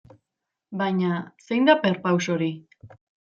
Baina, zein da perpaus hori?